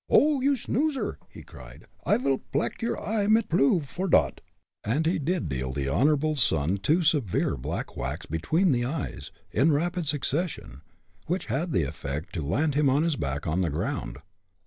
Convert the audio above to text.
"Oh! you snoozer!" he cried, "I vil plack your eye mit plue, for dot." And he did deal the honorable's son two severe whacks between the eyes, in rapid succession, which had the effect to land him on his back on the ground.